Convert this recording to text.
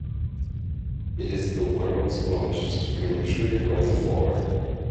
It is the world's largest green tree reservoir.